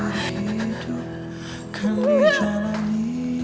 hidup kerja lagi